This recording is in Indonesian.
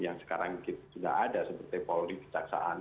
yang sekarang sudah ada seperti polri kejaksaan